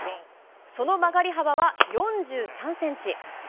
その曲がり幅は４３センチ。